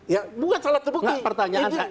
ya bukan salah terbukti